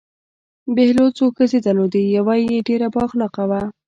بهلول څو ښځې درلودې چې یوه یې ډېره بد اخلاقه وه.